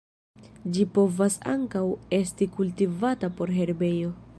Ĝi povas ankaŭ esti kultivata por herbejo.